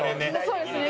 そうですね。